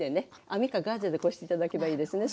網かガーゼでこして頂けばいいですね。